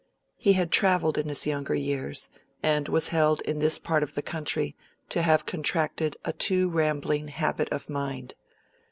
He had travelled in his younger years, and was held in this part of the county to have contracted a too rambling habit of mind.